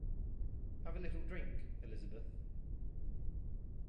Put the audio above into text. Have a little drink, Elizabeth?